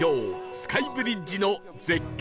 スカイブリッジの絶景